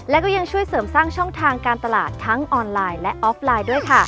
และก็ยังช่วยเสริมสร้างช่องทางการตลาดทั้งออนไลน์และออฟไลน์ด้วยค่ะ